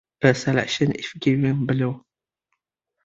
A selection is given below.